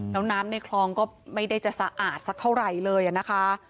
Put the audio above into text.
แล้วน้ำในคลองก็ไม่ได้จะสะอาดสักเท่าไหร่เลยนะคะ